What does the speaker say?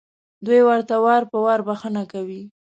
دوی ورته وار په وار بښنه کوي.